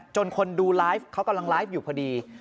คนดูไลฟ์เขากำลังไลฟ์อยู่พอดี